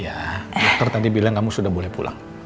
iya dokter tadi bilang kamu sudah boleh pulang